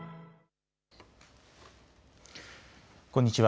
こんにちは。